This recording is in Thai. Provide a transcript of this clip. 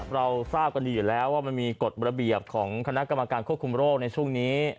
เราทราบกันดีอยู่แล้วว่ามันมีกฎระเบียบของคณะกรรมการควบคุมโรคในช่วงนี้